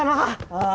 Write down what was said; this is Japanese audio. ああ。